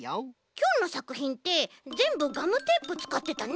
きょうのさくひんってぜんぶガムテープつかってたね。